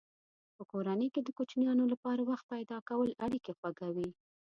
په کورنۍ کې د کوچنیانو لپاره وخت پیدا کول اړیکې خوږوي.